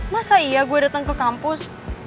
masa iya gue datang ke kampus